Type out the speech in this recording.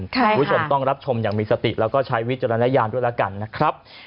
คุณผู้ชมต้องรับชมอย่างมีสติแล้วก็ใช้วิจารณญาณด้วยแล้วกันนะครับ